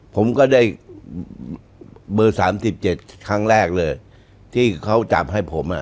ผมก็ได้เบอร์๓๗ครั้งแรกเลยที่เค้าจับให้ผม